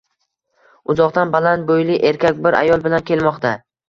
Uzoqdan baland bo`yli erkak bir ayol bilan kelmoqda